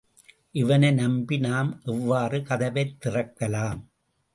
இவனை நம்பி நாம் எவ்வாறு கதவைத் திறக்கலாம்?